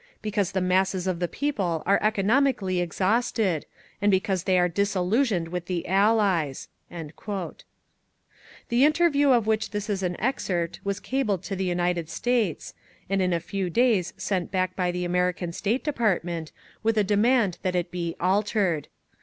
Because the masses of the people are economically exhausted,—and because they are disillusioned with the Allies!" The interview of which this is an excerpt was cabled to the United States, and in a few days sent back by the American State Department, with a demand that it be "altered."